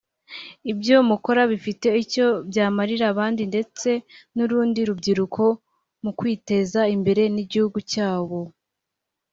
Ibyo mukora bifite icyo byamarira abandi ndetse n’urundi rubyiruko mu kwiteza imbere n’igihugu cyabo